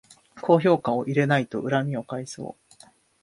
高評価を入れないと恨みを買いそう